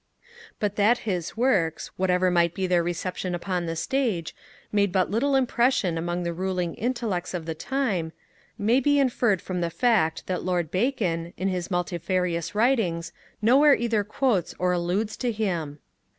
But that his Works, whatever might be their reception upon the stage, made but little impression upon the ruling Intellects of the time, may be inferred from the fact that Lord Bacon, in his multifarious writings, nowhere either quotes or alludes to him.